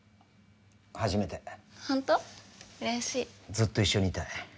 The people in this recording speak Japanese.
ずっと一緒にいたい。